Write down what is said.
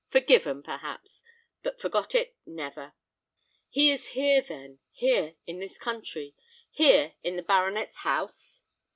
forgiven, perhaps, but forgot it, never! He is here, then, here in this country; here in the baronet's house?"